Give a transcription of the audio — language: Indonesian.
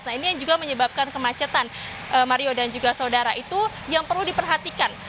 nah ini yang juga menyebabkan kemacetan mario dan juga saudara itu yang perlu diperhatikan